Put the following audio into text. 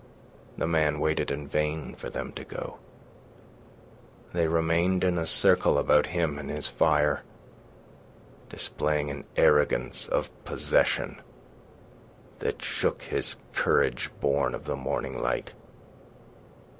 The man waited in vain for them to go. They remained in a circle about him and his fire, displaying an arrogance of possession that shook his courage born of the morning light.